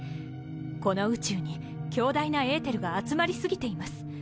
この宇宙に強大なエーテルが集まり過ぎています。